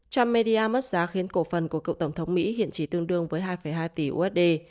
trump media mất giá khiến cổ phần của cựu tổng thống mỹ hiện chỉ tương đương với hai hai tỷ usd